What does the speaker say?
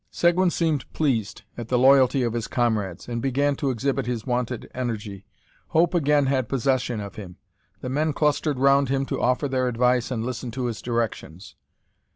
Seguin seemed pleased at the loyalty of his comrades, and began to exhibit his wonted energy. Hope again had possession of him. The men clustered round him to offer their advice and listen to his directions.